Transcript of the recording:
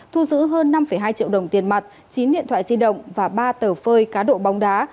thu giữ hơn năm hai triệu đồng tiền mặt chín điện thoại di động và ba tờ phơi cá độ bóng đá